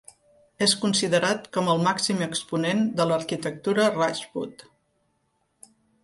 És considerat com el màxim exponent de l'arquitectura Rajput.